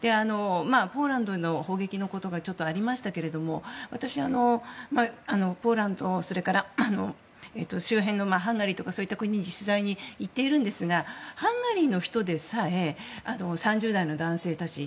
ポーランドの砲撃のことがありましたが私、ポーランドや周辺のハンガリーなどそういった国に取材に行っているんですがハンガリーの人でさえ３０代の男性たち